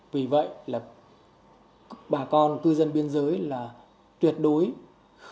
vì vậy bà con cư dân biên giới là tuyệt đối không tiếp tay